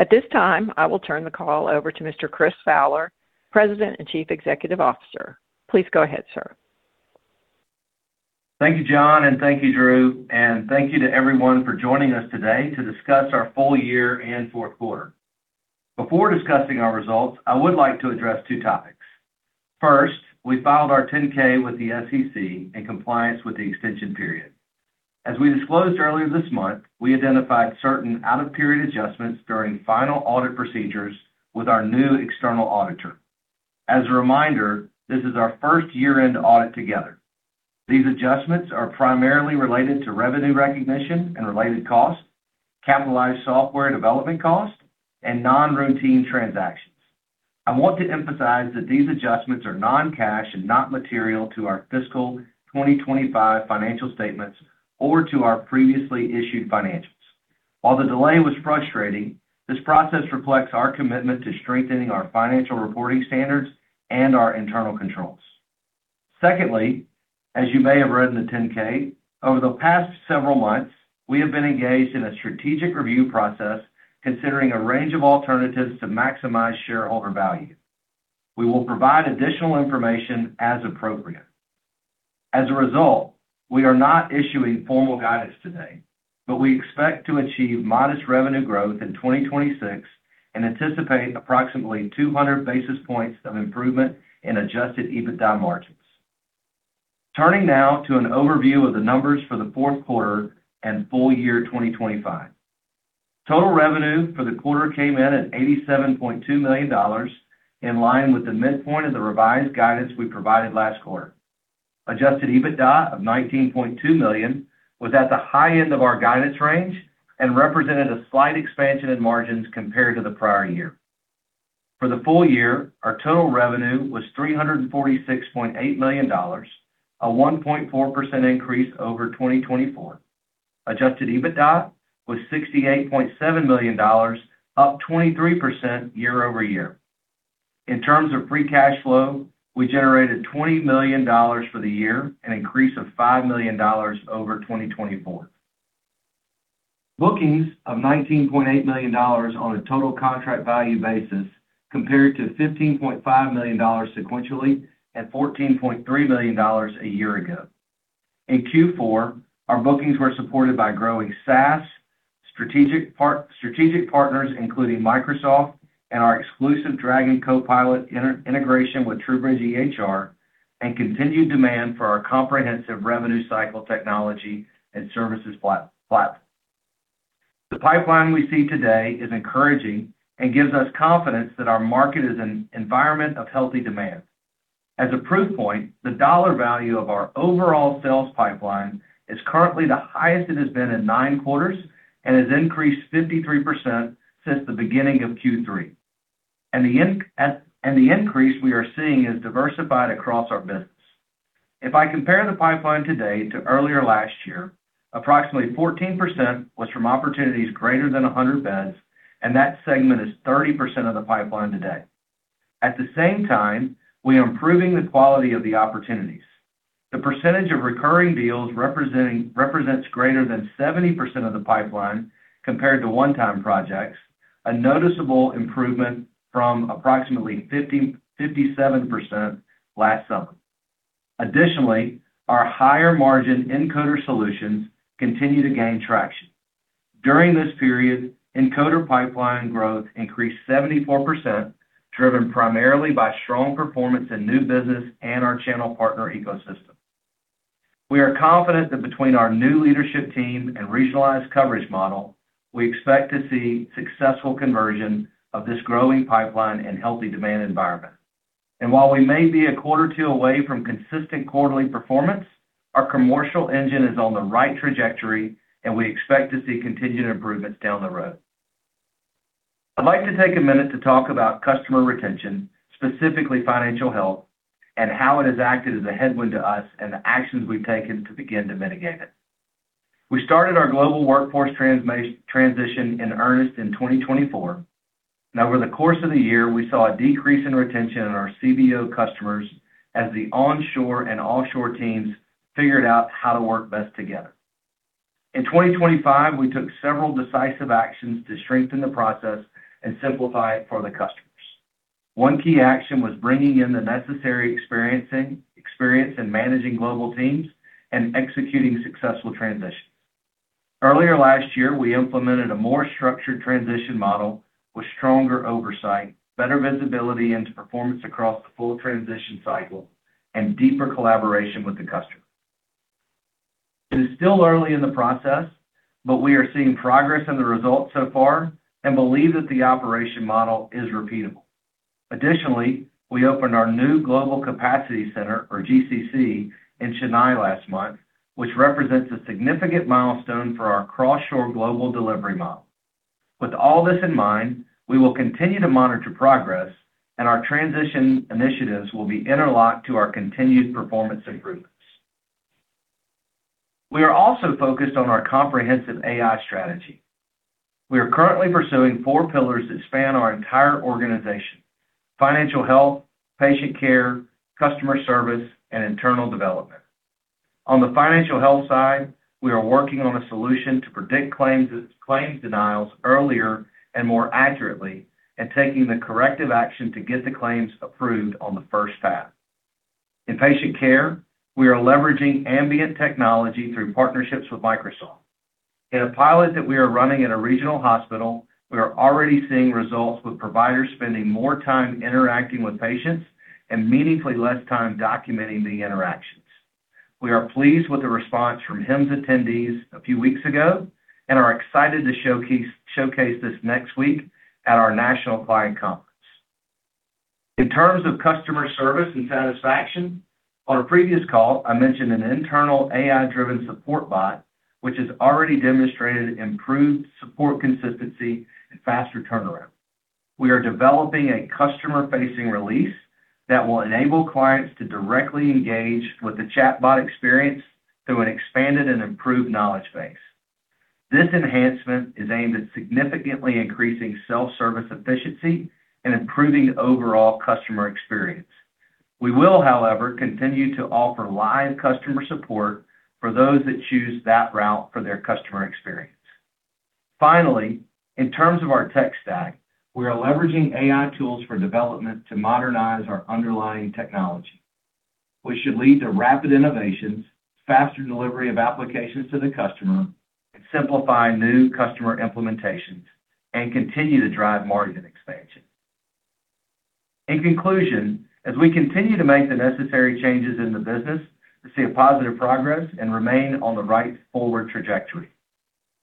At this time, I will turn the call over to Mr. Chris Fowler, President and Chief Executive Officer. Please go ahead, sir. Thank you, John, and thank you, Drew, and thank you to everyone for joining us today to discuss our full year and fourth quarter. Before discussing our results, I would like to address two topics. First, we filed our 10-K with the SEC in compliance with the extension period. As we disclosed earlier this month, we identified certain out-of-period adjustments during final audit procedures with our new external auditor. As a reminder, this is our first year-end audit together. These adjustments are primarily related to revenue recognition and related costs, capitalized software development costs, and non-routine transactions. I want to emphasize that these adjustments are non-cash and not material to our fiscal 2025 financial statements or to our previously issued financials. While the delay was frustrating, this process reflects our commitment to strengthening our financial reporting standards and our internal controls. Secondly, as you may have read in the 10-K, over the past several months, we have been engaged in a strategic review process considering a range of alternatives to maximize shareholder value. We will provide additional information as appropriate. As a result, we are not issuing formal guidance today, but we expect to achieve modest revenue growth in 2026 and anticipate approximately 200 basis points of improvement in Adjusted EBITDA margins. Turning now to an overview of the numbers for the fourth quarter and full year 2025. Total revenue for the quarter came in at $87.2 million, in line with the midpoint of the revised guidance we provided last quarter. Adjusted EBITDA of $19.2 million was at the high end of our guidance range and represented a slight expansion in margins compared to the prior year. For the full year, our total revenue was $346.8 million, a 1.4% increase over 2024. Adjusted EBITDA was $68.7 million, up 23% year-over-year. In terms of free cash flow, we generated $20 million for the year, an increase of $5 million over 2024. Bookings of $19.8 million on a total contract value basis compared to $15.5 million sequentially at $14.3 million a year ago. In Q4, our bookings were supported by growing SaaS, strategic partners, including Microsoft and our exclusive Dragon Copilot integration with TruBridge EHR and continued demand for our comprehensive revenue cycle technology and services platform. The pipeline we see today is encouraging and gives us confidence that our market is an environment of healthy demand. As a proof point, the dollar value of our overall sales pipeline is currently the highest it has been in nine quarters and has increased 53% since the beginning of Q3. The increase we are seeing is diversified across our business. If I compare the pipeline today to earlier last year, approximately 14% was from opportunities greater than 100 beds, and that segment is 30% of the pipeline today. At the same time, we are improving the quality of the opportunities. The percentage of recurring deals represents greater than 70% of the pipeline compared to one-time projects, a noticeable improvement from approximately 57% last summer. Additionally, our higher margin encoder solutions continue to gain traction. During this period, encoder pipeline growth increased 74%, driven primarily by strong performance in new business and our channel partner ecosystem. We are confident that between our new leadership team and regionalized coverage model, we expect to see successful conversion of this growing pipeline and healthy demand environment. While we may be a quarter or two away from consistent quarterly performance, our commercial engine is on the right trajectory, and we expect to see continued improvements down the road. I'd like to take a minute to talk about customer retention, specifically Financial Health, and how it has acted as a headwind to us and the actions we've taken to begin to mitigate it. We started our global workforce transition in earnest in 2024. Now, over the course of the year, we saw a decrease in retention in our CBO customers as the onshore and offshore teams figured out how to work best together. In 2025, we took several decisive actions to strengthen the process and simplify it for the customers. One key action was bringing in the necessary experience in managing global teams and executing successful transitions. Earlier last year, we implemented a more structured transition model with stronger oversight, better visibility into performance across the full transition cycle, and deeper collaboration with the customer. It is still early in the process, but we are seeing progress in the results so far and believe that the operational model is repeatable. Additionally, we opened our new Global Capacity Center, or GCC, in Chennai last month, which represents a significant milestone for our cross-shore global delivery model. With all this in mind, we will continue to monitor progress. And our transition initiatives will be interlocked to our continued performance improvements. We are also focused on our comprehensive AI strategy. We are currently pursuing four pillars that span our entire organization. Financial health, patient care, customer service, and internal development. On the financial health side, we are working on a solution to predict claims denials earlier and more accurately, and taking the corrective action to get the claims approved on the first pass. In patient care, we are leveraging ambient technology through partnerships with Microsoft. In a pilot that we are running at a regional hospital, we are already seeing results with providers spending more time interacting with patients and meaningfully less time documenting the interactions. We are pleased with the response from HIMSS attendees a few weeks ago and are excited to showcase this next week at our national client conference. In terms of customer service and satisfaction, on a previous call, I mentioned an internal AI-driven support bot, which has already demonstrated improved support consistency and faster turnaround. We are developing a customer-facing release that will enable clients to directly engage with the chatbot experience through an expanded and improved knowledge base. This enhancement is aimed at significantly increasing self-service efficiency and improving overall customer experience. We will, however, continue to offer live customer support for those that choose that route for their customer experience. Finally, in terms of our tech stack, we are leveraging AI tools for development to modernize our underlying technology, which should lead to rapid innovations, faster delivery of applications to the customer, and simplify new customer implementations and continue to drive margin expansion. In conclusion, as we continue to make the necessary changes in the business, we see positive progress and remain on the right forward trajectory.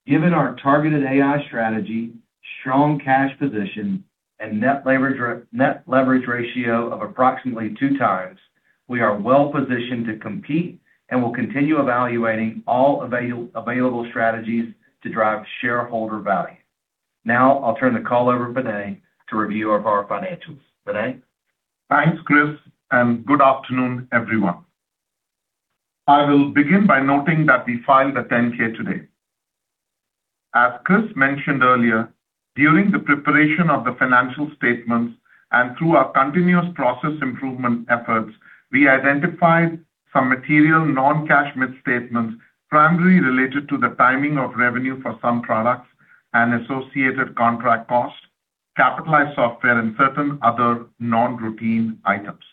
Given our targeted AI strategy, strong cash position, and net leverage ratio of approximately 2x, we are well-positioned to compete and will continue evaluating all available strategies to drive shareholder value. Now I'll turn the call over to Vinay to review our financials. Vinay? Thanks, Chris, and good afternoon, everyone. I will begin by noting that we filed a 10-K today. As Chris mentioned earlier, during the preparation of the financial statements and through our continuous process improvement efforts, we identified some material non-cash misstatements primarily related to the timing of revenue for some products and associated contract costs, capitalized software, and certain other non-routine items.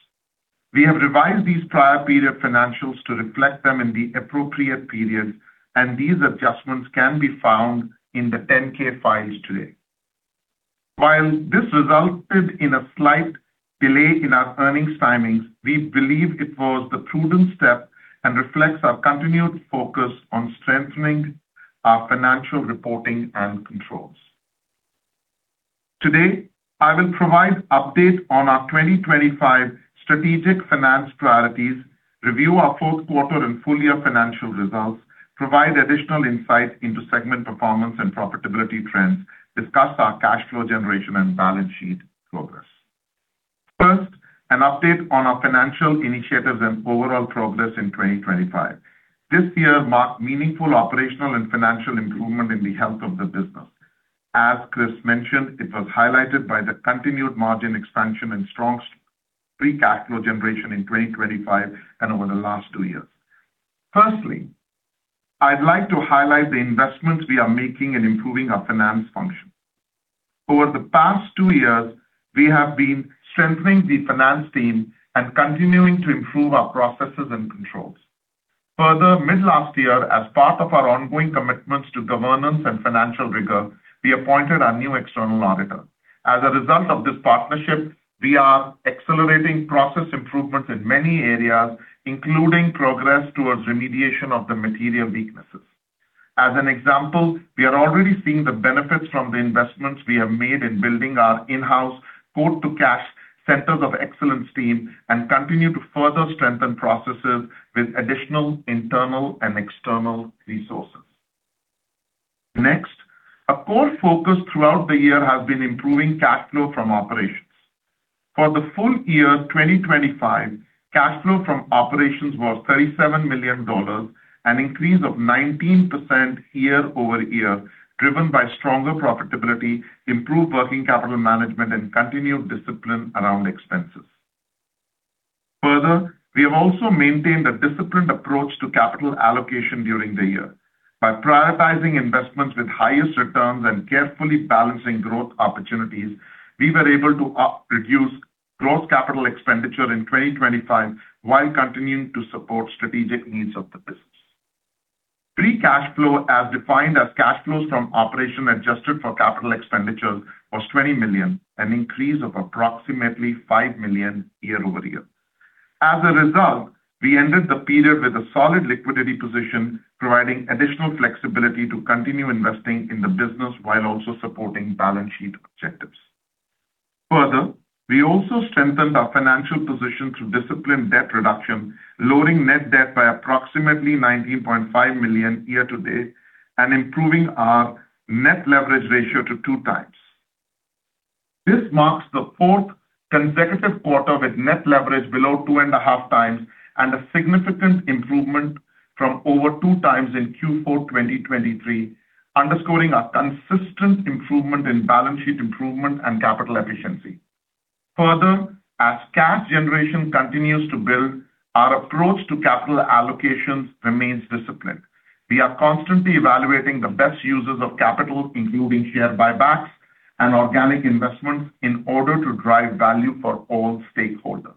We have revised these prior period financials to reflect them in the appropriate period, and these adjustments can be found in the 10-K filed today. While this resulted in a slight delay in our earnings timings, we believe it was the prudent step and reflects our continued focus on strengthening our financial reporting and controls. Today, I will provide update on our 2025 strategic finance priorities, review our fourth quarter and full-year financial results, provide additional insights into segment performance and profitability trends, discuss our cash flow generation and balance sheet progress. First, an update on our financial initiatives and overall progress in 2025. This year marked meaningful operational and financial improvement in the health of the business. As Chris mentioned, it was highlighted by the continued margin expansion and strong free cash flow generation in 2025 and over the last two years. Firstly, I'd like to highlight the investments we are making in improving our finance function. Over the past two years, we have been strengthening the finance team and continuing to improve our processes and controls. Further, mid last year, as part of our ongoing commitments to governance and financial rigor, we appointed a new external auditor. As a result of this partnership, we are accelerating process improvements in many areas, including progress towards remediation of the material weaknesses. As an example, we are already seeing the benefits from the investments we have made in building our in-house code to cash centers of excellence team and continue to further strengthen processes with additional internal and external resources. Next, a core focus throughout the year has been improving cash flow from operations. For the full year 2025, cash flow from operations was $37 million, an increase of 19% year-over-year, driven by stronger profitability, improved working capital management, and continued discipline around expenses. Further, we have also maintained a disciplined approach to capital allocation during the year. By prioritizing investments with highest returns and carefully balancing growth opportunities, we were able to reduce gross CapEx in 2025 while continuing to support strategic needs of the business. Free cash flow, as defined as cash flows from operations adjusted for CapEx, was $20 million. An increase of approximately $5 million year-over-year. As a result, we ended the period with a solid liquidity position, providing additional flexibility to continue investing in the business while also supporting balance sheet objectives. Further, we also strengthened our financial position through disciplined debt reduction, lowering net debt by approximately $19.5 million year to date and improving our net leverage ratio to 2x. This marks the fourth consecutive quarter with net leverage below 2.5x and a significant improvement from over 2x in Q4 2023, underscoring our consistent improvement in balance sheet improvement and capital efficiency. Further, as cash generation continues to build, our approach to capital allocations remains disciplined. We are constantly evaluating the best users of capital, including share buybacks and organic investments in order to drive value for all stakeholders.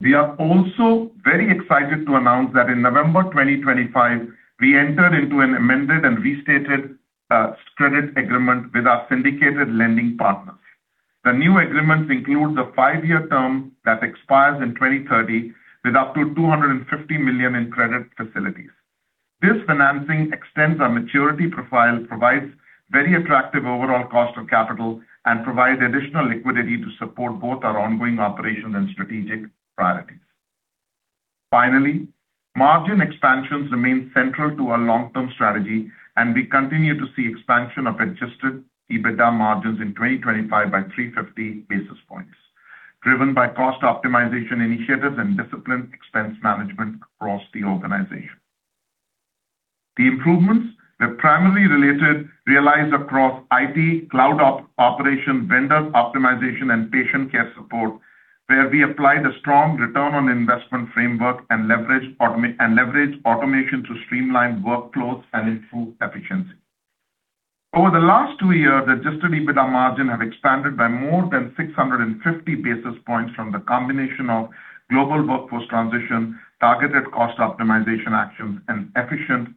We are also very excited to announce that in November 2025, we entered into an amended and restated credit agreement with our syndicated lending partners. The new agreements include the five-year term that expires in 2030 with up to $250 million in credit facilities. This financing extends our maturity profile, provides very attractive overall cost of capital, and provides additional liquidity to support both our ongoing operations and strategic priorities. Finally, margin expansions remain central to our long-term strategy, and we continue to see expansion of Adjusted EBITDA margins in 2025 by 350 basis points, driven by cost optimization initiatives and disciplined expense management across the organization. The improvements were primarily realized across IT, cloud operation, vendor optimization, and Patient Care support, where we applied a strong return on investment framework and leverage automation to streamline workflows and improve efficiency. Over the last two years, Adjusted EBITDA margins have expanded by more than 650 basis points from the combination of global workforce transition, targeted cost optimization actions and efficient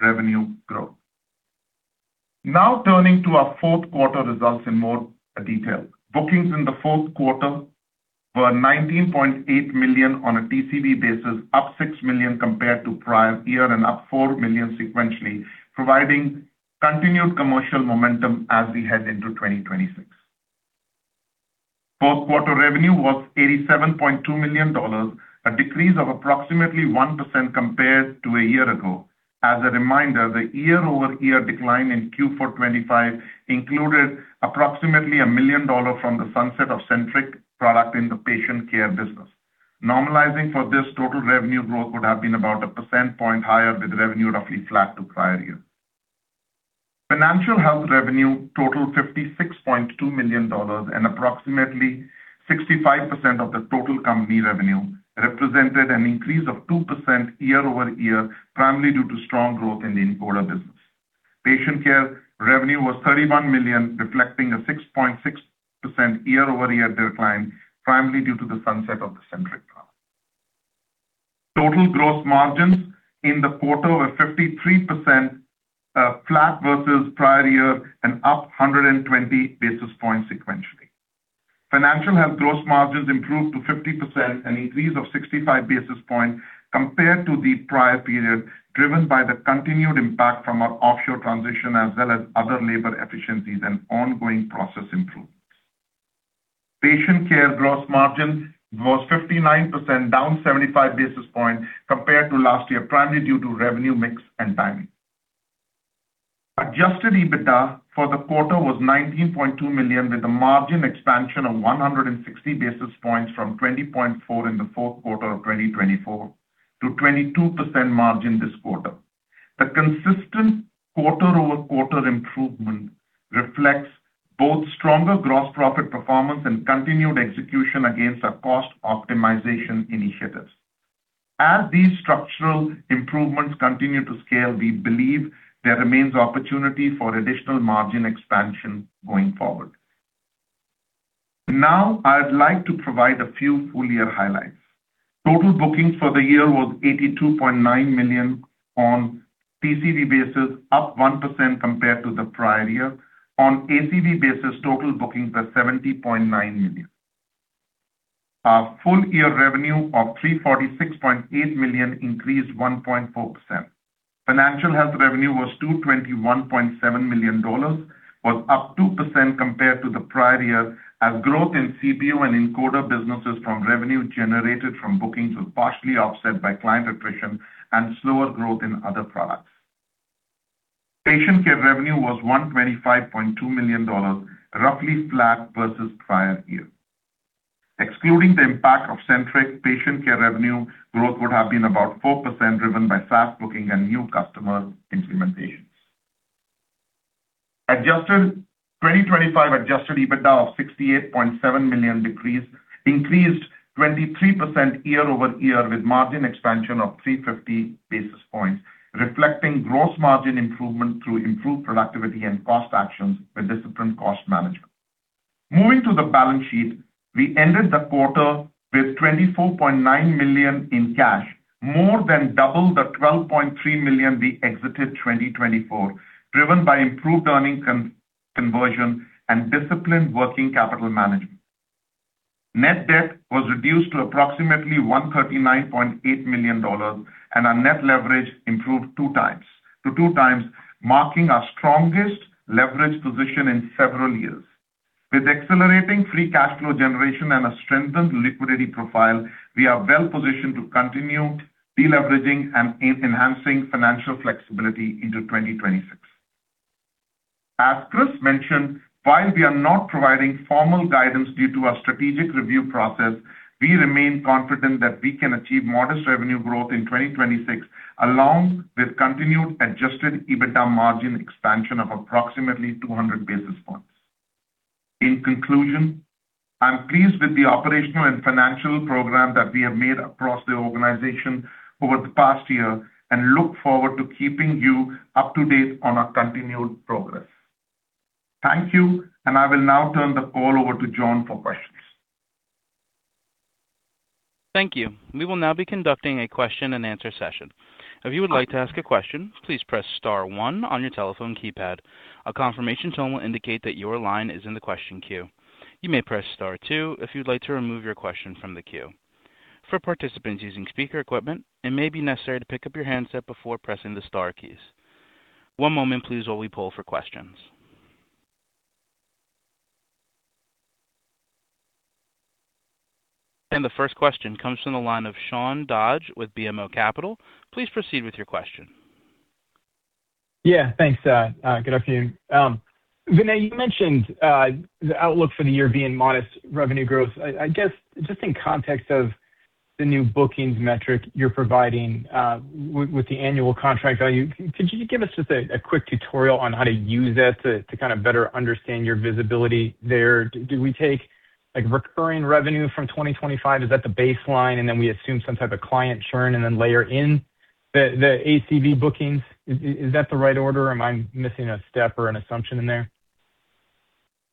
revenue growth. Now turning to our fourth quarter results in more detail. Bookings in the fourth quarter were $19.8 million on a TCV basis, up $6 million compared to prior year and up $4 million sequentially, providing continued commercial momentum as we head into 2026. Fourth quarter revenue was $87.2 million, a decrease of approximately 1% compared to a year ago. As a reminder, the year-over-year decline in Q4 2025 included approximately $1 million from the sunset of Centriq product in the Patient Care business. Normalizing for this total revenue growth would have been about a percentage point higher with revenue roughly flat to prior year. Financial Health revenue totaled $56.2 million and approximately 65% of the total company revenue represented an increase of 2% year-over-year, primarily due to strong growth in the Encoder business. Patient Care revenue was $31 million, reflecting a 6.6% year-over-year decline, primarily due to the sunset of the Centriq product. Total gross margins in the quarter were 53%, flat versus prior year and up 120 basis points sequentially. Financial Health gross margins improved to 50%, an increase of 65 basis points compared to the prior period, driven by the continued impact from our offshore transition as well as other labor efficiencies and ongoing process improvements. Patient Care gross margin was 59%, down 75 basis points compared to last year, primarily due to revenue mix and timing. Adjusted EBITDA for the quarter was $19.2 million, with a margin expansion of 160 basis points from 20.4% in the fourth quarter of 2024 to 22% margin this quarter. The consistent quarter-over-quarter improvement reflects both stronger gross profit performance and continued execution against our cost optimization initiatives. As these structural improvements continue to scale, we believe there remains opportunity for additional margin expansion going forward. Now I'd like to provide a few full year highlights. Total bookings for the year was $82.9 million on TCV basis, up 1% compared to the prior year. On ACV basis, total bookings were $70.9 million. Our full year revenue of $346.8 million increased 1.4%. Financial Health revenue was $221.7 million, was up 2% compared to the prior year as growth in CBO and Encoder businesses from revenue generated from bookings was partially offset by client attrition and slower growth in other products. Patient Care revenue was $125.2 million roughly flat versus prior year. Excluding the impact of Centriq Patient Care revenue growth would have been about 4% driven by SaaS bookings and new customer implementations. Adjusted 2025 Adjusted EBITDA of $68.7 million increased 23% year-over-year with margin expansion of 350 basis points, reflecting gross margin improvement through improved productivity and cost actions with disciplined cost management. Moving to the balance sheet, we ended the quarter with $24.9 million in cash, more than double the $12.3 million we exited 2024. Driven by improved earnings conversion and disciplined working capital management. Net debt was reduced to approximately $139.8 million, and our net leverage improved to 2x, marking our strongest leverage position in several years. With accelerating free cash flow generation and a strengthened liquidity profile, we are well positioned to continue deleveraging and enhancing financial flexibility into 2026. As Chris mentioned, while we are not providing formal guidance due to our strategic review process, we remain confident that we can achieve modest revenue growth in 2026 along with continued Adjusted EBITDA margin expansion of approximately 200 basis points. In conclusion, I'm pleased with the operational and financial progress that we have made across the organization over the past year and look forward to keeping you up to date on our continued progress. Thank you. I will now turn the call over to John for questions. Thank you. We will now be conducting a question-and-answer session. If you would like to ask a question, please press star one on your telephone keypad. A confirmation tone will indicate that your line is in the question queue. You may press star two if you'd like to remove your question from the queue. For participants using speaker equipment, it may be necessary to pick up your handset before pressing the star keys. One moment please, while we poll for questions. The first question comes from the line of Sean Dodge with BMO Capital. Please proceed with your question. Yeah, thanks. Good afternoon. Vinay, you mentioned the outlook for the year being modest revenue growth. I guess just in context of the new bookings metric you're providing with the annual contract value, could you give us just a quick tutorial on how to use that to kind of better understand your visibility there? Do we take, like, recurring revenue from 2025, is that the baseline? Then we assume some type of client churn and then layer in the ACV bookings? Is that the right order or am I missing a step or an assumption in there?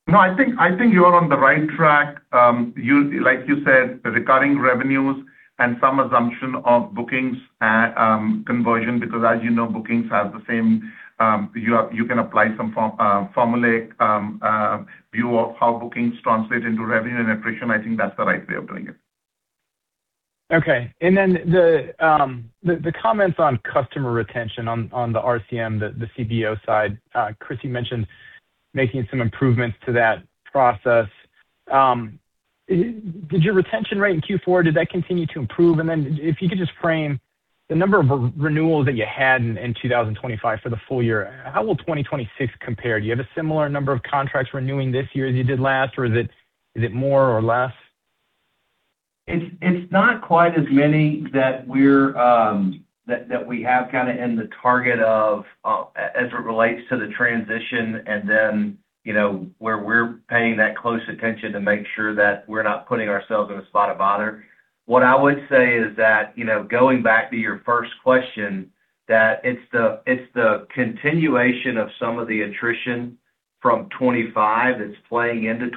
No, I think you're on the right track. Like you said, the recurring revenues and some assumption of bookings at conversion. Because as you know, bookings have the same, you can apply some formulaic view of how bookings translate into revenue and attrition. I think that's the right way of doing it. Okay. The comments on customer retention on the RCM, the CBO side, Chris, you mentioned making some improvements to that process. Did your retention rate in Q4 continue to improve? If you could just frame the number of renewals that you had in 2025 for the full year, how will 2026 compare? Do you have a similar number of contracts renewing this year as you did last? Or is it more or less? It's not quite as many that we have kind of in the target of as it relates to the transition and then, you know, where we're paying that close attention to make sure that we're not putting ourselves in a spot of bother. What I would say is that, you know, going back to your first question, that it's the continuation of some of the attrition from 2025 that's playing into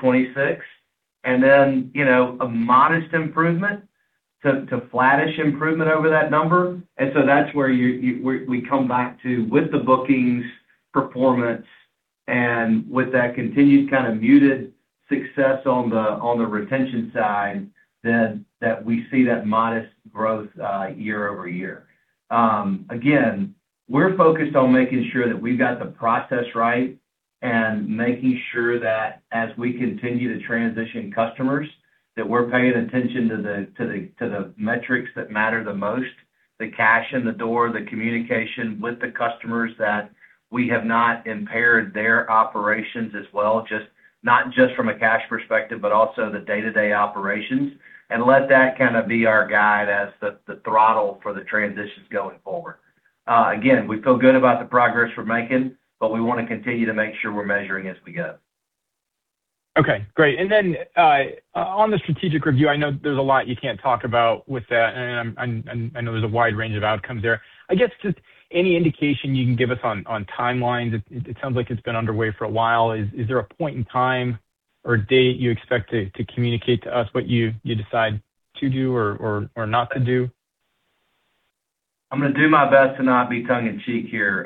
2026. You know, a modest improvement to flattish improvement over that number. That's where we come back to with the bookings performance and with that continued kind of muted success on the retention side, then that we see that modest growth year-over-year. Again, we're focused on making sure that we've got the process right and making sure that as we continue to transition customers, that we're paying attention to the metrics that matter the most, the cash in the door, the communication with the customers, that we have not impaired their operations as well, just not just from a cash perspective, but also the day-to-day operations. Let that kind of be our guide as the throttle for the transitions going forward. Again, we feel good about the progress we're making, but we want to continue to make sure we're measuring as we go. Okay, great. On the strategic review, I know there's a lot you can't talk about with that, and I know there's a wide range of outcomes there. I guess just any indication you can give us on timelines. It sounds like it's been underway for a while. Is there a point in time or date you expect to communicate to us what you decide to do or not to do? I'm gonna do my best to not be tongue in cheek here,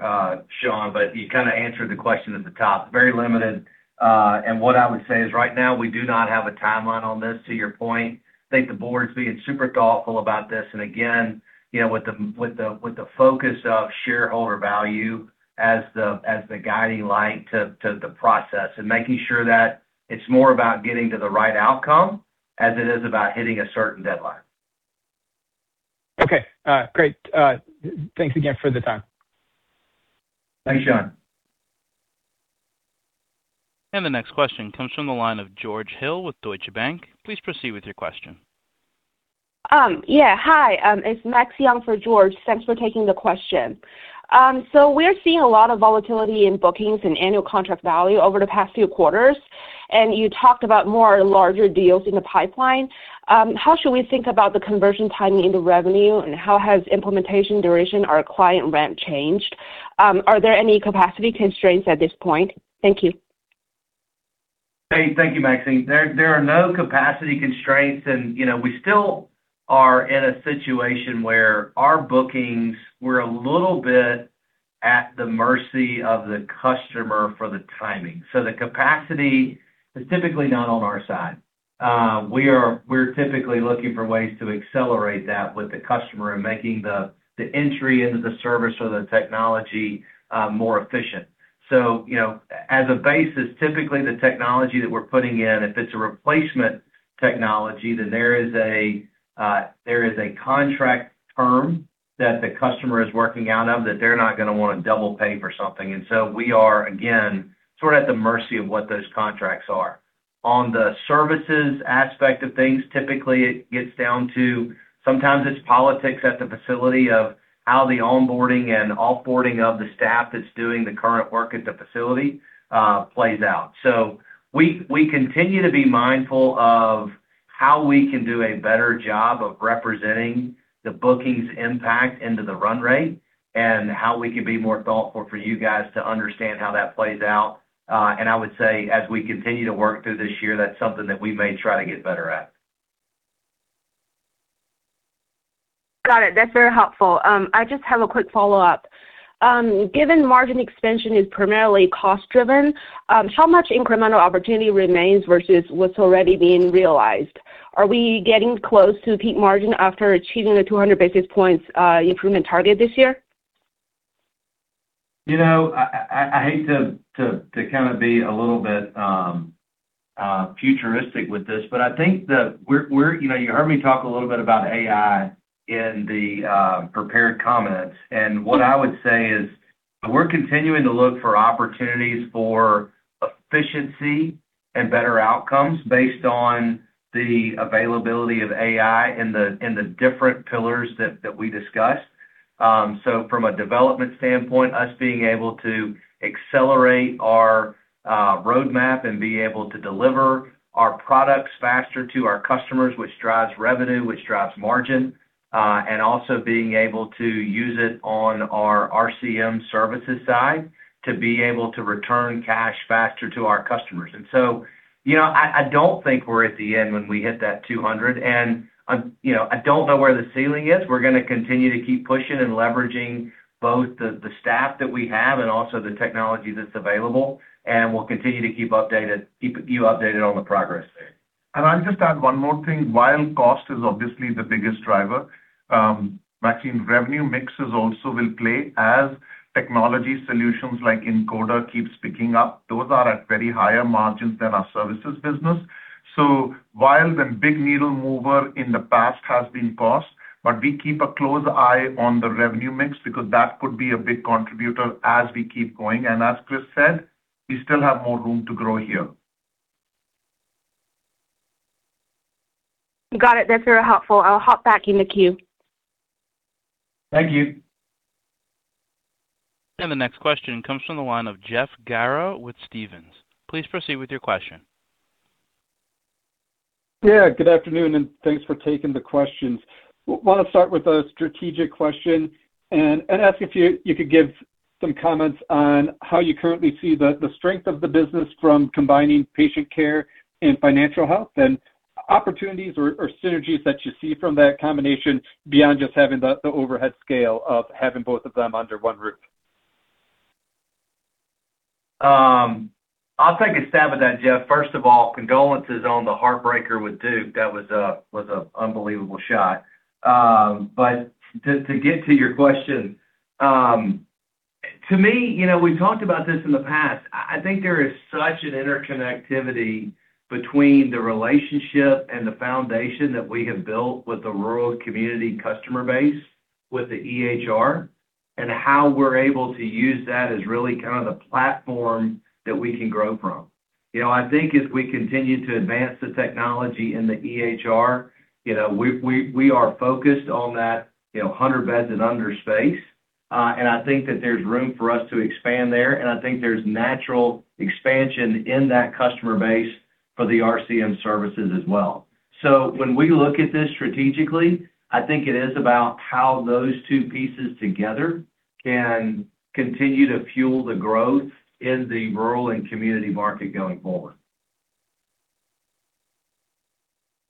Sean, but you kind of answered the question at the top. Very limited. What I would say is right now, we do not have a timeline on this, to your point. I think the board's being super thoughtful about this. Again, you know, with the focus of shareholder value as the guiding light to the process and making sure that it's more about getting to the right outcome as it is about hitting a certain deadline. Okay. Great. Thanks again for the time. Thanks, Sean. The next question comes from the line of George Hill with Deutsche Bank. Please proceed with your question. Yeah. Hi, it's Maxine for George. Thanks for taking the question. So we're seeing a lot of volatility in bookings and annual contract value over the past few quarters, and you talked about more larger deals in the pipeline. How should we think about the conversion timing into revenue, and how has implementation duration or client ramp changed? Are there any capacity constraints at this point? Thank you. Hey, thank you, Maxine. There are no capacity constraints. You know, we still are in a situation where our bookings, we're a little bit at the mercy of the customer for the timing. The capacity is typically not on our side. We're typically looking for ways to accelerate that with the customer and making the entry into the service or the technology more efficient. You know, as a basis, typically the technology that we're putting in, if it's a replacement technology, then there is a contract term that the customer is working out of that they're not gonna wanna double pay for something. We are, again, sort of at the mercy of what those contracts are. On the services aspect of things, typically it gets down to sometimes it's politics at the facility of how the onboarding and off-boarding of the staff that's doing the current work at the facility plays out. We continue to be mindful of how we can do a better job of representing the bookings impact into the run rate and how we can be more thoughtful for you guys to understand how that plays out. I would say as we continue to work through this year, that's something that we may try to get better at. Got it. That's very helpful. I just have a quick follow-up. Given margin expansion is primarily cost driven, how much incremental opportunity remains versus what's already being realized? Are we getting close to peak margin after achieving the 200 basis points improvement target this year? You know, I hate to kind of be a little bit futuristic with this, but I think that we're. You know, you heard me talk a little bit about AI in the prepared comments, and what I would say is we're continuing to look for opportunities for efficiency and better outcomes based on the availability of AI in the different pillars that we discussed. From a development standpoint, us being able to accelerate our roadmap and be able to deliver our products faster to our customers, which drives revenue, which drives margin. Also being able to use it on our RCM services side to be able to return cash faster to our customers. You know, I don't think we're at the end when we hit that 200. You know, I don't know where the ceiling is. We're gonna continue to keep pushing and leveraging both the staff that we have and also the technology that's available, and we'll continue to keep updated, keep you updated on the progress there. I'll just add one more thing. While cost is obviously the biggest driver, vaccine revenue mixes also will play as technology solutions like Encoder keeps picking up. Those are at very higher margins than our services business. While the big needle mover in the past has been cost, but we keep a close eye on the revenue mix because that could be a big contributor as we keep going. As Chris said, we still have more room to grow here. Got it. That's very helpful. I'll hop back in the queue. Thank you. The next question comes from the line of Jeff Garro with Stephens. Please proceed with your question. Yeah, good afternoon, and thanks for taking the questions. Wanna start with a strategic question and ask if you could give some comments on how you currently see the strength of the business from combining Patient Care and Financial Health and opportunities or synergies that you see from that combination beyond just having the overhead scale of having both of them under one roof. I'll take a stab at that, Jeff. First of all, condolences on the heartbreaker with Duke. That was an unbelievable shot. To get to your question, to me, you know, we've talked about this in the past. I think there is such an interconnectivity between the relationship and the foundation that we have built with the rural community customer base, with the EHR, and how we're able to use that as really kind of the platform that we can grow from. You know, I think as we continue to advance the technology in the EHR, you know, we are focused on that hundred beds and under space. I think that there's room for us to expand there, and I think there's natural expansion in that customer base for the RCM services as well. When we look at this strategically, I think it is about how those two pieces together can continue to fuel the growth in the rural and community market going forward.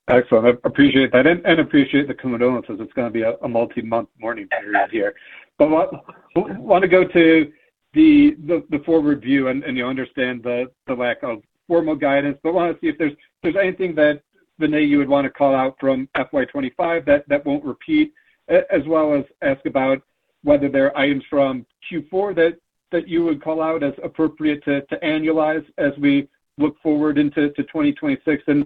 Excellent. I appreciate that and appreciate the condolences. It's gonna be a multi-month mourning period here. Wanna go to the forward view, and you understand the lack of formal guidance, but wanna see if there's anything that, Vinay, you would wanna call out from FY 2025 that won't repeat, as well as ask about whether there are items from Q4 that you would call out as appropriate to annualize as we look forward into 2026. Then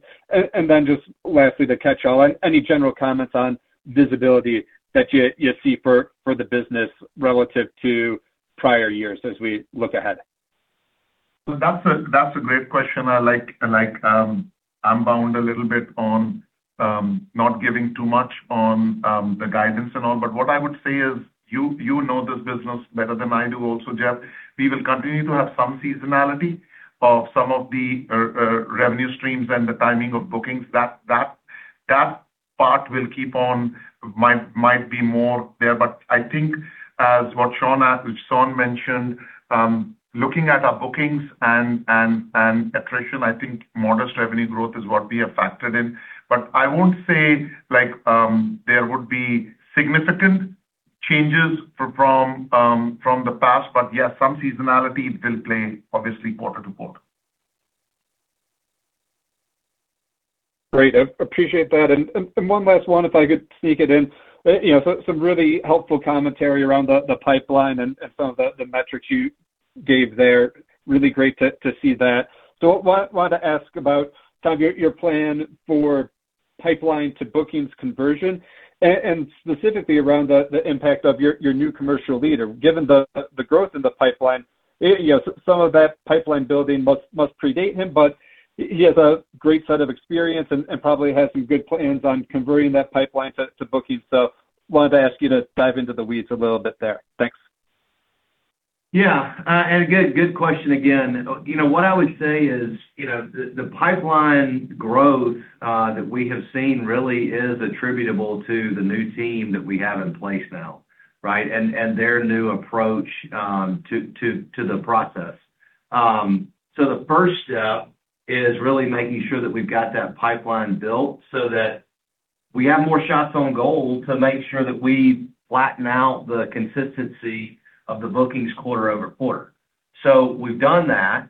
just lastly, the catch-all. Any general comments on visibility that you see for the business relative to prior years as we look ahead? That's a great question. I like, I'm bound a little bit on not giving too much on the guidance and all, but what I would say is you know this business better than I do also, Jeff. We will continue to have some seasonality of some of the revenue streams and the timing of bookings. That part will keep on, might be more there. I think as what Sean mentioned, looking at our bookings and attrition, I think modest revenue growth is what we have factored in. I won't say like there would be significant changes from the past. Yeah, some seasonality will play obviously quarter to quarter. Great. I appreciate that. One last one, if I could sneak it in. You know, so some really helpful commentary around the pipeline and some of the metrics you gave there. Really great to see that. Want to ask about kind of your plan for pipeline to bookings conversion and specifically around the impact of your new commercial leader. Given the growth in the pipeline, you know, some of that pipeline building must predate him, but he has a great set of experience and probably has some good plans on converting that pipeline to bookings. Wanted to ask you to dive into the weeds a little bit there. Thanks. Yeah. Good question again. You know, what I would say is, you know, the pipeline growth that we have seen really is attributable to the new team that we have in place now, right? And their new approach to the process. The first step is really making sure that we've got that pipeline built so that we have more shots on goal to make sure that we flatten out the consistency of the bookings quarter over quarter. We've done that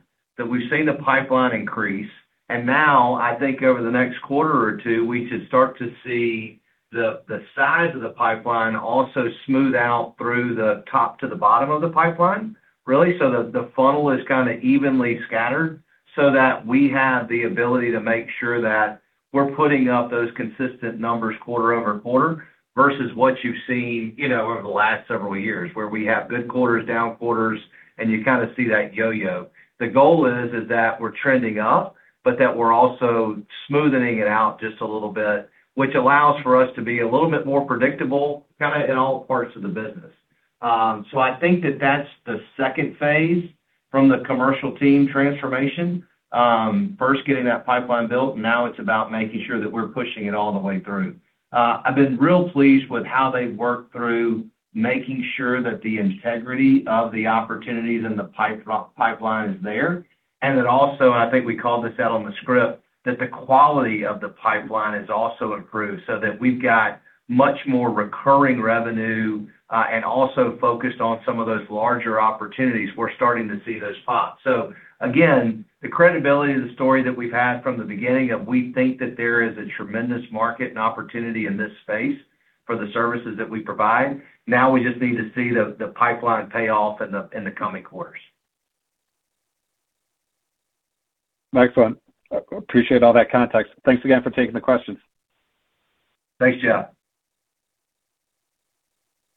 we've seen the pipeline increase, and now I think over the next quarter or two, we should start to see the size of the pipeline also smooth out through the top to the bottom of the pipeline really so that the funnel is kinda evenly scattered so that we have the ability to make sure that we're putting up those consistent numbers quarter-over-quarter versus what you've seen, you know, over the last several years, where we have good quarters, down quarters, and you kinda see that yo-yo. The goal is that we're trending up, but that we're also smoothening it out just a little bit. Which allows for us to be a little bit more predictable kinda in all parts of the business. I think that that's the second phase from the commercial team transformation. First getting that pipeline built, now it's about making sure that we're pushing it all the way through. I've been real pleased with how they've worked through making sure that the integrity of the opportunities in the pipeline is there, and that also, and I think we called this out on the script, that the quality of the pipeline has also improved so that we've got much more recurring revenue, and also focused on some of those larger opportunities. We're starting to see those pop. Again, the credibility of the story that we've had from the beginning of we think that there is a tremendous market and opportunity in this space for the services that we provide, now we just need to see the pipeline pay off in the coming quarters. Excellent. Appreciate all that context. Thanks again for taking the questions. Thanks, Jeff.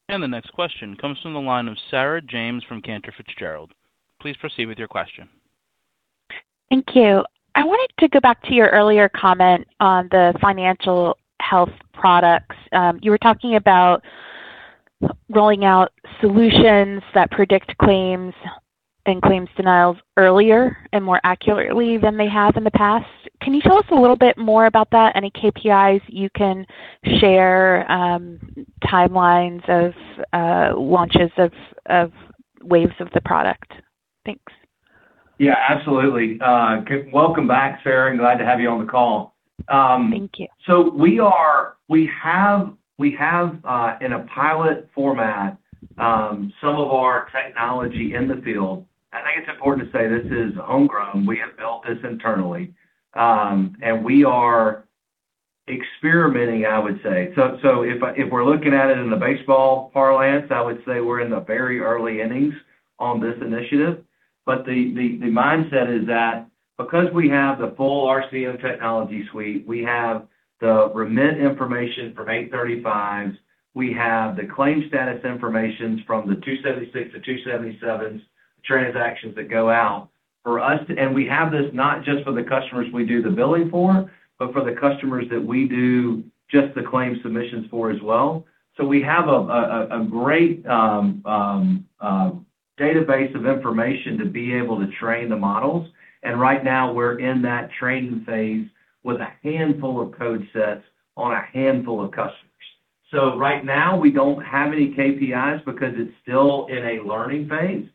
The next question comes from the line of Sarah James from Cantor Fitzgerald. Please proceed with your question. Thank you. I wanted to go back to your earlier comment on the Financial Health products. You were talking about rolling out solutions that predict claims and claims denials earlier and more accurately than they have in the past. Can you tell us a little bit more about that? Any KPIs you can share, timelines of launches of waves of the product? Thanks. Yeah, absolutely. Welcome back, Sarah, and glad to have you on the call. Thank you. We have in a pilot format some of our technology in the field. I think it's important to say this is homegrown. We have built this internally. We are experimenting, I would say. If we're looking at it in the baseball parlance, I would say we're in the very early innings on this initiative. The mindset is that because we have the full RCM technology suite, we have the remit information from 835s, we have the claim status information from the 276/277 transactions that go out. We have this not just for the customers we do the billing for, but for the customers that we do just the claim submissions for as well. We have a great database of information to be able to train the models, and right now we're in that training phase with a handful of code sets on a handful of customers. Right now we don't have any KPIs because it's still in a learning phase.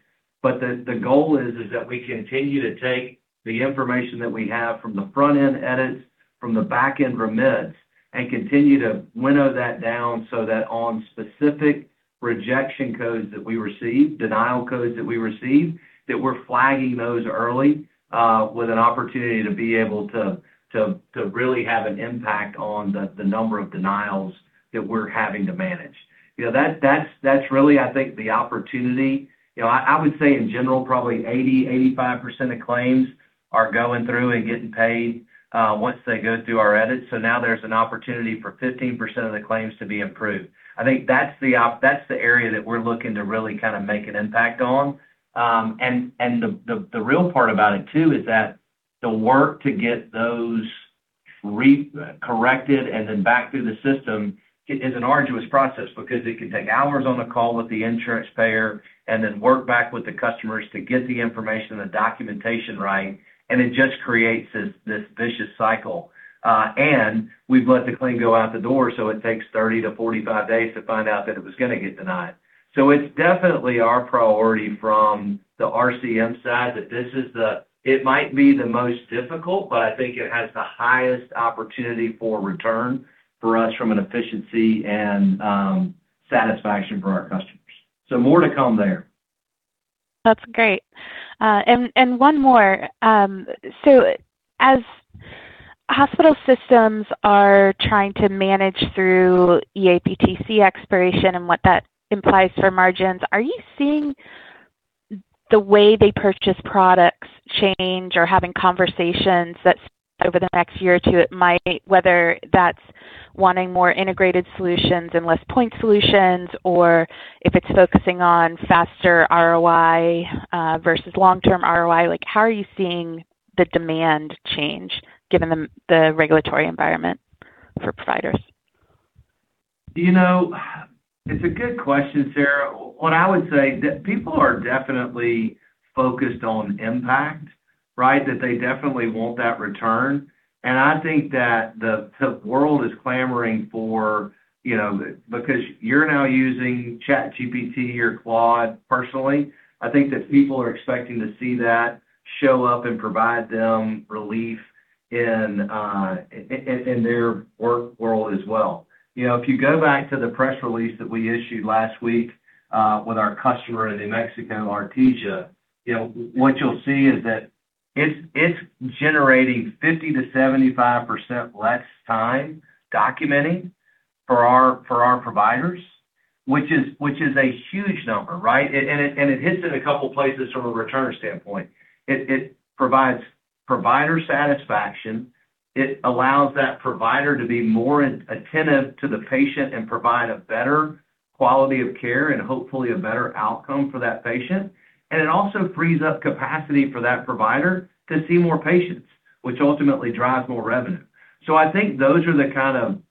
The goal is that we continue to take the information that we have from the front-end edits, from the back-end remits, and continue to winnow that down so that on specific rejection codes that we receive, denial codes that we receive. That we're flagging those early, with an opportunity to be able to really have an impact on the number of denials that we're having to manage. You know, that's really I think the opportunity. You know, I would say in general, probably 80%-85% of claims are going through and getting paid once they go through our edits. Now there's an opportunity for 15% of the claims to be improved. I think that's the area that we're looking to really kind of make an impact on. And the real part about it too is that the work to get those corrected and then back through the system is an arduous process because it can take hours on the call with the insurance payer and then work back with the customers to get the information, the documentation right, and it just creates this vicious cycle. We've let the claim go out the door, so it takes 30-45 days to find out that it was gonna get denied. It's definitely our priority from the RCM side that this is. It might be the most difficult, but I think it has the highest opportunity for return for us from an efficiency and satisfaction for our customers. More to come there. That's great. One more. As hospital systems are trying to manage through eAPTC expiration and what that implies for margins, are you seeing the way they purchase products change or having conversations that over the next year or two it might, whether that's wanting more integrated solutions and less point solutions, or if it's focusing on faster ROI versus long-term ROI? Like, how are you seeing the demand change given the regulatory environment for providers? You know, it's a good question, Sarah. What I would say that people are definitely focused on impact, right? That they definitely want that return. I think that the world is clamoring for, you know, because you're now using ChatGPT or Claude personally, I think that people are expecting to see that show up and provide them relief in their work world as well. You know, if you go back to the press release that we issued last week with our customer, the New Mexico Artesia, you know, what you'll see is that it's generating 50%-75% less time documenting for our providers, which is a huge number, right? It hits in a couple places from a return standpoint. It provides provider satisfaction. It allows that provider to be more attentive to the patient and provide a better quality of care and hopefully a better outcome for that patient. It also frees up capacity for that provider to see more patients, which ultimately drives more revenue. I think those are the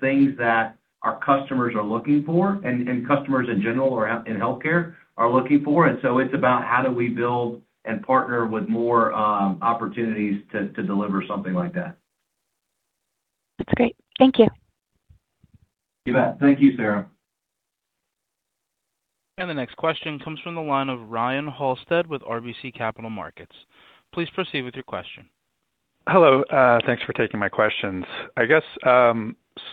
things that our customers are looking for and customers in general are looking for in healthcare. It's about how do we build and partner with more opportunities to deliver something like that. That's great. Thank you. You bet. Thank you, Sarah. The next question comes from the line of Ryan Halsted with RBC Capital Markets. Please proceed with your question. Hello. Thanks for taking my questions. I guess,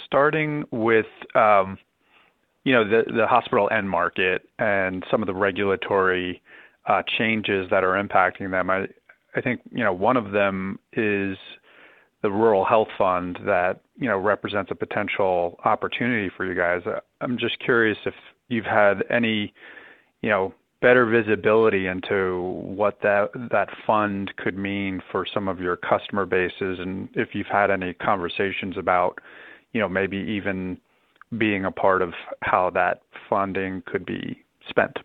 starting with, you know, the hospital end market and some of the regulatory changes that are impacting them. I think, you know, one of them is the Rural Health Fund that, you know, represents a potential opportunity for you guys. I'm just curious if you've had any, you know, better visibility into what that fund could mean for some of your customer bases, and if you've had any conversations about, you know, maybe even being a part of how that funding could be spent.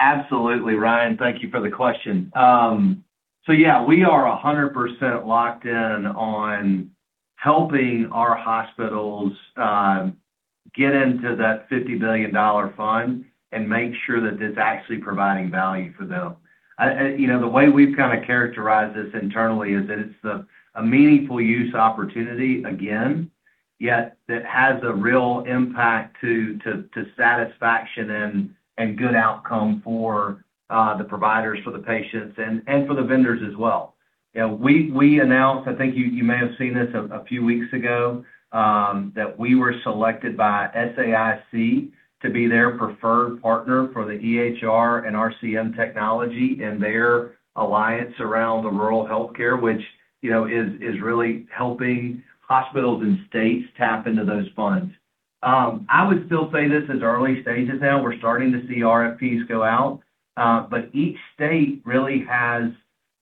Absolutely, Ryan. Thank you for the question. So yeah, we are 100% locked in on helping our hospitals get into that $50 billion fund and make sure that it's actually providing value for them. You know, the way we've kinda characterized this internally is that it's a meaningful use opportunity again, yet that has a real impact to satisfaction and good outcome for the providers, for the patients and for the vendors as well. You know, we announced, I think you may have seen this a few weeks ago, that we were selected by SAIC to be their preferred partner for the EHR and RCM technology. And their alliance around the rural healthcare, which, you know, is really helping hospitals and states tap into those funds. I would still say this is early stages now. We're starting to see RFPs go out, but each state really has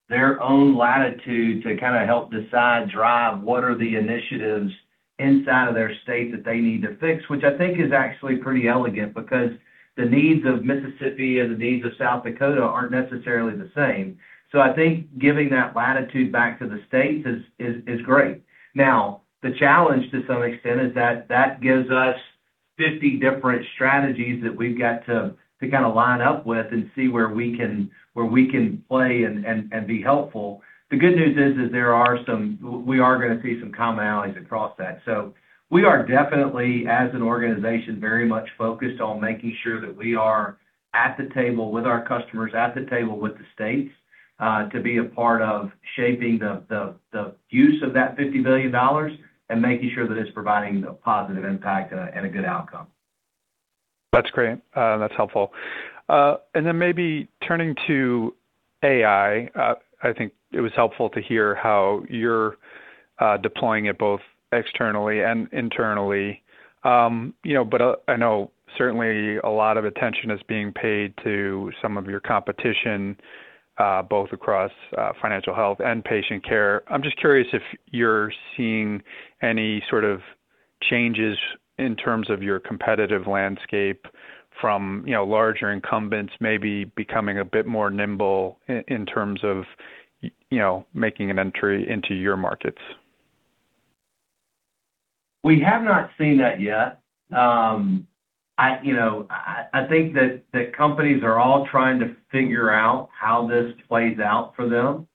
their own latitude to kinda help decide, drive what are the initiatives inside of their state that they need to fix, which I think is actually pretty elegant because the needs of Mississippi and the needs of South Dakota aren't necessarily the same. I think giving that latitude back to the states is great. Now, the challenge to some extent is that that gives us 50 different strategies that we've got to kinda line up with and see where we can play and be helpful. The good news is we are gonna see some commonalities across that. We are definitely, as an organization, very much focused on making sure that we are at the table with our customers, at the table with the states, to be a part of shaping the use of that $50 billion and making sure that it's providing a positive impact and a good outcome. That's great. That's helpful. Then maybe turning to AI, I think it was helpful to hear how you're deploying it both externally and internally. You know, but I know certainly a lot of attention is being paid to some of your competition, both across Financial Health and Patient Care. I'm just curious if you're seeing any sort of changes in terms of your competitive landscape from, you know, larger incumbents maybe becoming a bit more nimble in terms of you know, making an entry into your markets. We have not seen that yet. I, you know, I think that companies are all trying to figure out how this plays out for them.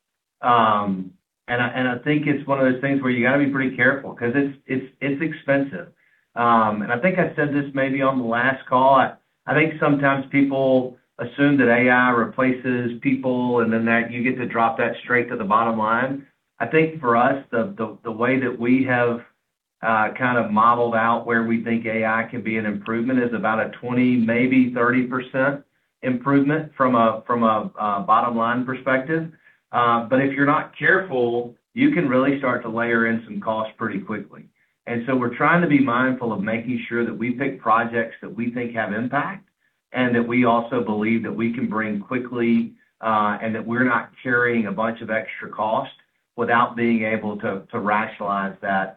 I think it's one of those things where you gotta be pretty careful 'cause it's expensive. I think I said this maybe on the last call. I think sometimes people assume that AI replaces people and then that you get to drop that straight to the bottom line. I think for us, the way that we have kind of modeled out where we think AI can be an improvement is about a 20%, maybe 30% improvement from a bottom-line perspective. If you're not careful, you can really start to layer in some costs pretty quickly. We're trying to be mindful of making sure that we pick projects that we think have impact and that we also believe that we can bring quickly, and that we're not carrying a bunch of extra cost without being able to rationalize that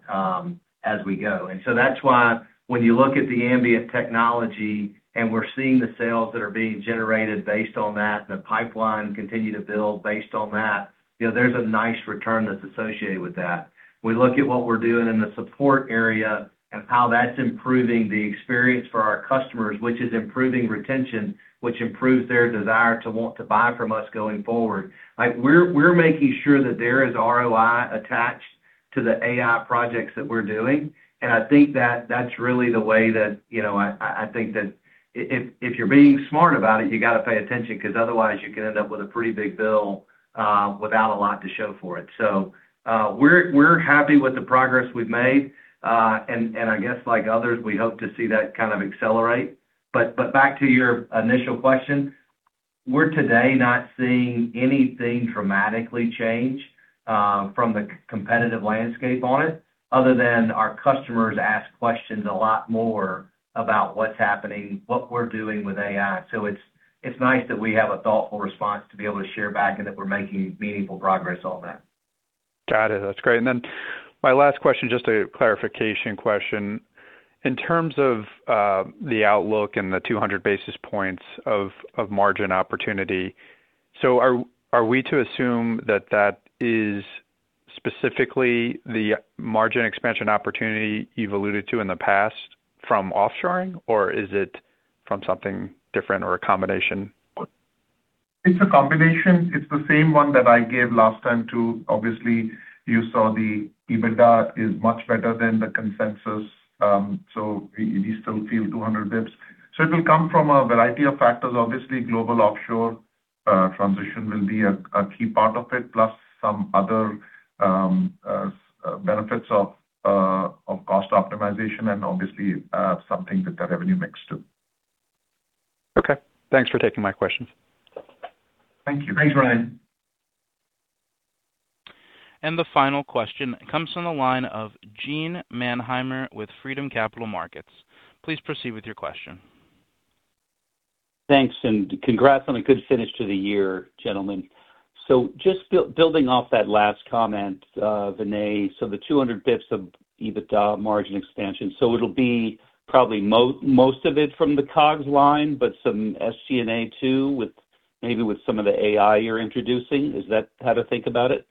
as we go. That's why when you look at the ambient technology and we're seeing the sales that are being generated based on that, the pipeline continue to build based on that, you know, there's a nice return that's associated with that. We look at what we're doing in the support area and how that's improving the experience for our customers, which is improving retention, which improves their desire to want to buy from us going forward. Like, we're making sure that there is ROI attached to the AI projects that we're doing. I think that that's really the way that, you know, I think that if you're being smart about it, you gotta pay attention, 'cause otherwise you can end up with a pretty big bill without a lot to show for it. We're happy with the progress we've made. I guess like others, we hope to see that kind of accelerate. Back to your initial question, we're today not seeing anything dramatically change from the competitive landscape on it, other than our customers ask questions a lot more about what's happening, what we're doing with AI. It's nice that we have a thoughtful response to be able to share back and that we're making meaningful progress on that. Got it. That's great. My last question, just a clarification question. In terms of the outlook and the 200 basis points of margin opportunity, are we to assume that that is specifically the margin expansion opportunity you've alluded to in the past from offshoring? Or is it from something different or a combination? It's a combination. It's the same one that I gave last time too. Obviously, you saw the EBITDA is much better than the consensus, so we still feel 200 basis points. It will come from a variety of factors. Obviously, global offshore transition will be a key part of it, plus some other benefits of cost optimization and obviously something with the revenue mix too. Okay. Thanks for taking my questions. Thank you. Thanks, Ryan. The final question comes from the line of Gene Mannheimer with Freedom Capital Markets. Please proceed with your question. Thanks, and congrats on a good finish to the year, gentlemen. Just building off that last comment, Vinay. The 200 basis points of EBITDA margin expansion. It'll be probably most of it from the COGS line, but some SG&A too with maybe some of the AI you're introducing. Is that how to think about it?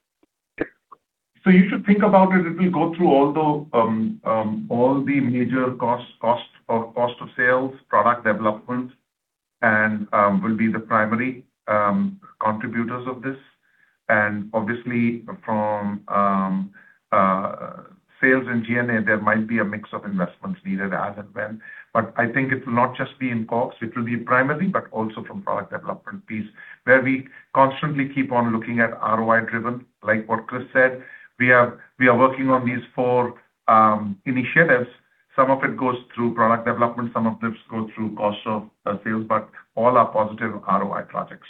You should think about it. It will go through all the major costs, cost of sales, product development, and will be the primary contributors of this. Obviously from sales in G&A, there might be a mix of investments needed as and when. I think it will not just be in COGS. It will be primarily, but also from product development piece where we constantly keep on looking at ROI driven, like what Chris said. We are working on these four initiatives. Some of it goes through product development, some of this go through cost of sales, but all are positive ROI projects.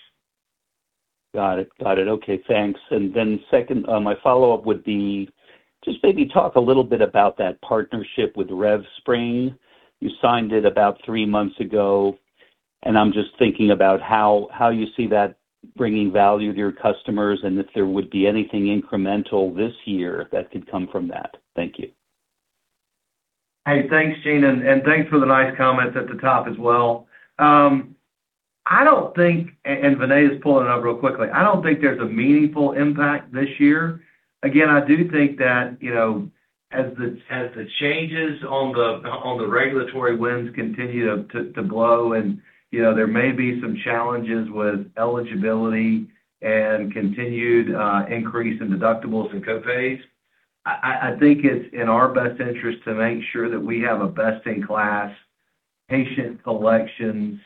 Got it. Okay, thanks. Second, my follow-up would be just maybe talk a little bit about that partnership with RevSpring. You signed it about three months ago, and I'm just thinking about how you see that bringing value to your customers and if there would be anything incremental this year that could come from that. Thank you. Hey, thanks, Gene, and thanks for the nice comments at the top as well. And Vinay is pulling it up real quickly. I don't think there's a meaningful impact this year. Again, I do think that, you know, as the changes on the regulatory winds continue to blow and, you know, there may be some challenges with eligibility and continued increase in deductibles and co-pays. I think it's in our best interest to make sure that we have a best-in-class patient collections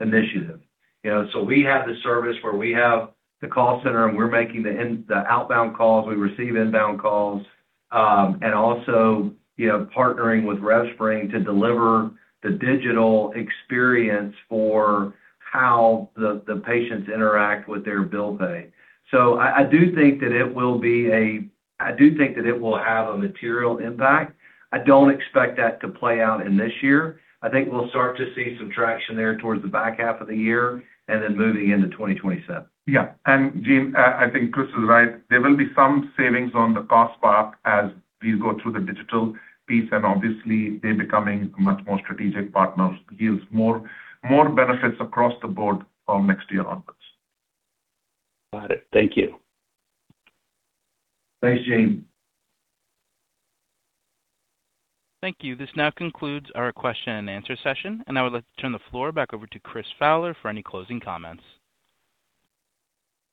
initiative. You know, so we have the service where we have the call center, and we're making the outbound calls, we receive inbound calls, and also, you know, partnering with RevSpring to deliver the digital experience for how the patients interact with their bill pay. I do think that it will have a material impact. I don't expect that to play out in this year. I think we'll start to see some traction there towards the back half of the year and then moving into 2027. Yeah. Gene, I think Chris is right. There will be some savings on the cost part as we go through the digital piece, and obviously they're becoming much more strategic partners, yields more benefits across the board from next year onwards. Got it. Thank you. Thanks, Gene. Thank you. This now concludes our question and answer session, and I would like to turn the floor back over to Chris Fowler for any closing comments.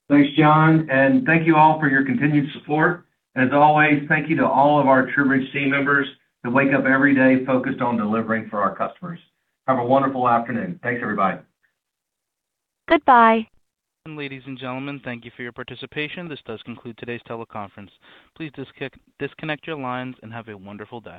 Thanks, John, and thank you all for your continued support. As always, thank you to all of our TruBridge team members who wake up every day focused on delivering for our customers. Have a wonderful afternoon. Thanks, everybody. Goodbye. Ladies and gentlemen, thank you for your participation. This does conclude today's teleconference. Please disconnect your lines and have a wonderful day.